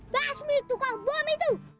basmi tukang bom itu